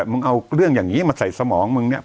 มึงเอาเรื่องอย่างนี้มาใส่สมองมึงเนี่ย